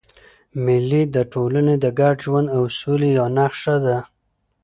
مېلې د ټولني د ګډ ژوند او سولي یوه نخښه ده.